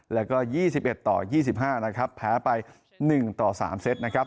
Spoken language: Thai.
แล้วก็ยี่สิบเอ็ดต่อยี่สิบห้านะครับแพ้ไปหนึ่งต่อสามเซ็ตนะครับ